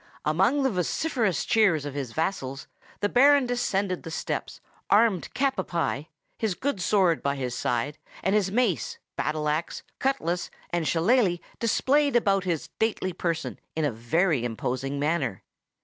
Amid the vociferous cheers of his vassals, the Baron descended the steps, armed cap à pie, his good sword by his side, and his mace, battle axe, cutlass, and shillalah displayed about his stately person in a very imposing manner.